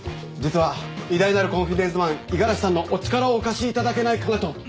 実は偉大なるコンフィデンスマン五十嵐さんのお力をお貸しいただけないかなと。